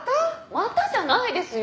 またじゃないですよ！